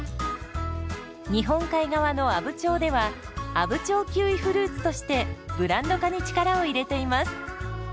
日本海側の阿武町では「阿武町キウイフルーツ」としてブランド化に力を入れています。